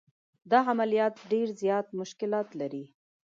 دا عملیات ډېر زیات مشکلات لري.